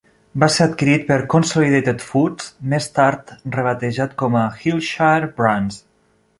Va ser adquirit per Consolidated Foods, més tard rebatejat com a Hillshire Brands.